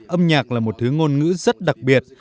âm nhạc là một thứ ngôn ngữ rất đặc biệt